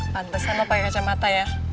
pantes sama pake kacamata ya